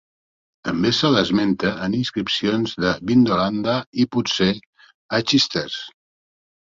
També se l'esmenta en inscripcions de Vindolanda i potser a Chesters.